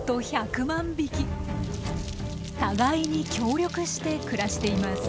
互いに協力して暮らしています。